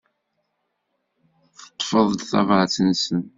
Teṭṭfeḍ-d tabrat-nsen.